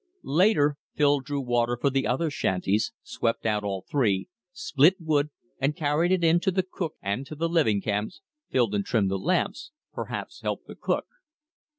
Later Phil drew water for the other shanties, swept out all three, split wood and carried it in to the cook and to the living camps, filled and trimmed the lamps, perhaps helped the cook.